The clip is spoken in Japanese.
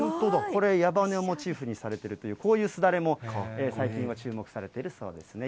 これ、矢羽根をモチーフにされてると、こういうすだれも最近は注目されてるそうですね。